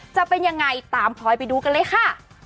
จะเป็นยังไงตามพลอยไปดูกันเลยค่ะ